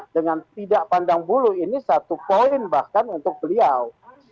dengan tidak pandang bulu ini satu poin bahkan untuk beliau